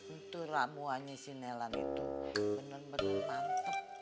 itu ramuannya si nelan itu bener bener mantep